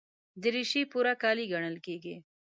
دریشي پوره کالي ګڼل کېږي.